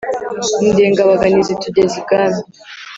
indengabaganizi tugeze ibwami